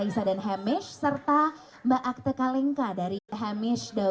sebenarnya kita kenal sekitar